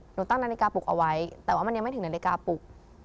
ตั้งนาฬิกาปลุกเอาไว้แต่ว่ามันยังไม่ถึงนาฬิกาปลุก